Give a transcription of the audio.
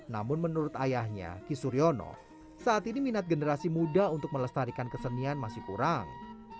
namun menurut ayahnya kisuryono saat ini minat generasi muda untuk melestarikan kesenian masih kurang